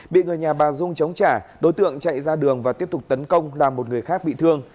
bị người nhà bà dung chống trả đối tượng chạy ra đường và tiếp tục tấn công làm một người khác bị thương